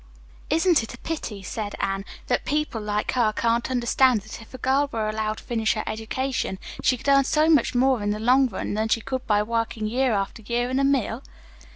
"Isn't it a pity," said Anne, "that people like her can't understand that if a girl were allowed to finish her education, she could earn so much more in the long run than she could by working year after year in a mill?"